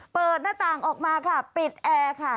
เปิดหน้าต่างออกมาค่ะปิดแอร์ค่ะ